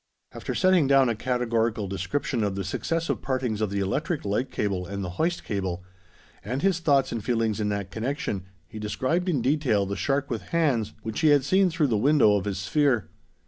After setting down a categorical description of the successive partings of the electric light cable and the hoist cable, and his thoughts and feelings in that connection, he described in detail the shark with hands, which he had seen through the window of his sphere.